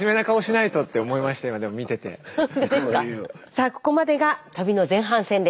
さあここまでが旅の前半戦です。